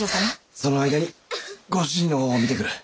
その間にご主人の方を診てくる。